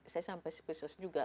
saya sampai spesies juga